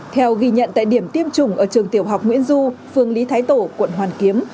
theo ghi nhận tại điểm tiêm chủng ở trường tiểu học nguyễn du phương lý thái tổ quận hoàn kiếm